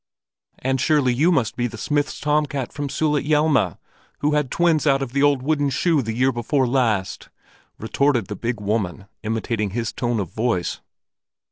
"And surely you must be the smith's tom cat from Sulitjelma, who had twins out of an old wooden shoe the year before last?" retorted the big woman, imitating his tone of voice.